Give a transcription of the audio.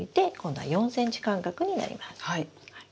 はい。